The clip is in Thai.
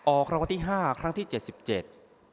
ออกคำวัติห้าครั้งที่เจ็ดสิบเจ็ด